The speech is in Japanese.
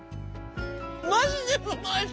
マジでうまいっす。